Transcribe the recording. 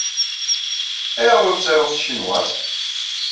Ayɣer ur ttaruɣ s tcinwat?